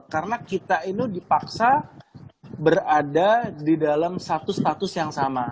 karena kita itu dipaksa berada di dalam satu status yang sama